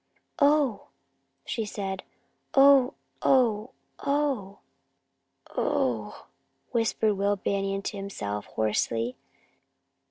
"Oh!" she said. "Oh! Oh! Oh!" "Oh!" whispered Will Banion to himself, hoarsely.